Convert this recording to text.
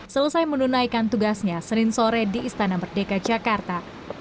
selesai menunaikan tugasnya senin sore di istana merdeka jakarta